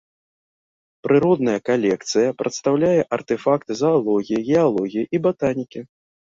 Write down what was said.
Прыродная калекцыя прадстаўляе артэфакты заалогіі, геалогіі і батанікі.